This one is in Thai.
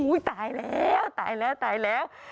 ตายแล้วตายแล้วตายแล้ว